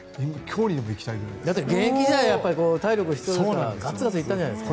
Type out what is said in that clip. やっぱり現役時代は体力が必要だったからガツガツいったんじゃないですか。